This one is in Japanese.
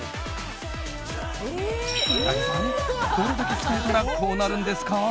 八木さん、どれだけ鍛えたらこうなるんですか？